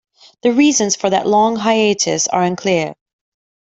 The reasons for that long hiatus are unclear.